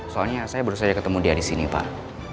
soalnya saya baru saja ketemu dia disini pak